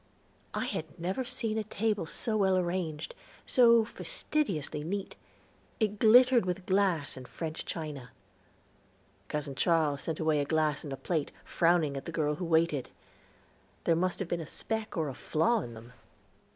I had never seen a table so well arranged, so fastidiously neat; it glittered with glass and French china. Cousin Charles sent away a glass and a plate, frowning at the girl who waited; there must have been a speck or a flaw in them.